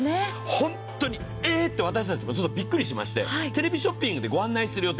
本当に、えーって私たちもびっくりしまして、テレビショッピングでご案内する予定